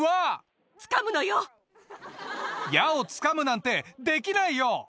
矢をつかむなんてできないよ。